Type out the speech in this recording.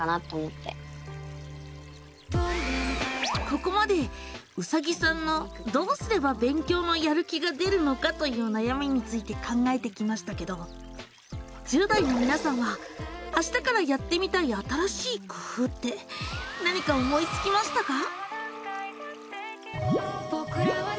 ここまでうさぎさんの「どうすれば勉強のやる気が出るのか」という悩みについて考えてきましたけど１０代のみなさんは「あしたからやってみたい新しい工夫」って何か思いつきましたか？